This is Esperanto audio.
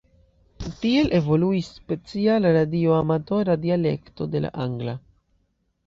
Tiel evoluis speciala radioamatora dialekto de la angla.